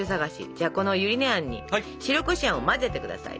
じゃあこのゆり根あんに白こしあんを混ぜてください。